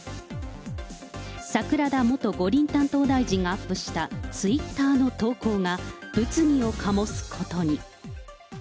桜田元五輪担当大臣がアップしたツイッターの投稿が物議を醸すことに。